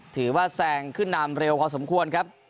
แซงขึ้นนำเร็วพอสมควรครับ